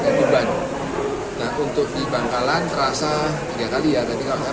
alhamdulillah saya cek di lapangan